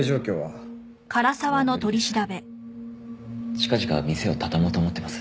近々店を畳もうと思ってます。